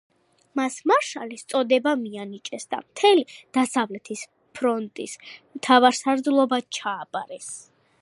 მას მარშალის წოდება მიანიჭეს და მთელი დასავლეთის ფრონტის მთავარსარდლობა ჩააბარეს.